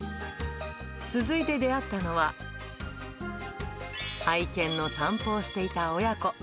続いて出会ったのは、愛犬の散歩をしていた親子。